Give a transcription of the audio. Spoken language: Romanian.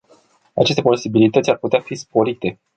Aceste posibilități ar putea fi sporite.